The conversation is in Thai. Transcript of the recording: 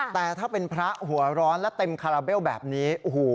แต่ถ้าเป็นพระหัวร้อนและเต็มคาราเบลแบบนี้โอ้โห